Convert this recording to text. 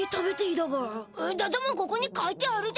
だどもここに書いてあるだよ。